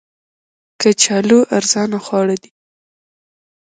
کچالو ارزانه خواړه دي